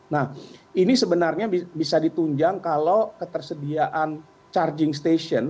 nah ini sebenarnya bisa ditunjang kalau ketersediaan charging station